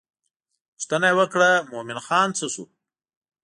پوښتنه یې وکړه مومن خان څه شو.